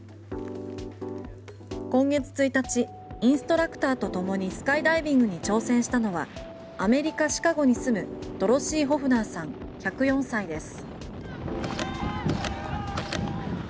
今月１日インストラクターとともにスカイダイビングに挑戦したのはアメリカ・シカゴに住むドロシー・ホフナーさん１０４歳です。